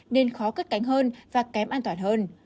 nên khó cất cánh hơn và kém an toàn hơn